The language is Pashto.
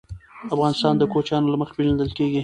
افغانستان د کوچیانو له مخې پېژندل کېږي.